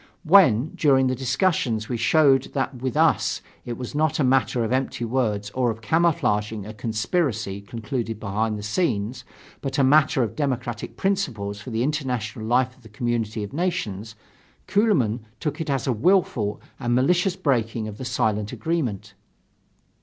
When during the discussions, we showed that with us, it was not a matter of empty words or of camouflaging a conspiracy concluded behind the scenes, but a matter of democratic principles for the international life of the community of nations, Kuehlmann took it as a willful and malicious breaking of the silent agreement.